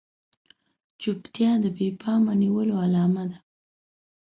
چوپتيا د بې پامه نيولو علامه ده.